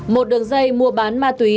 một đường dây mua bán ma túy